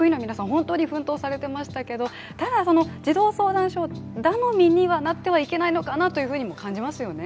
本当に奮闘されてましたが、ただ、児童相談所頼みにはなってはいけないのかなと感じますよね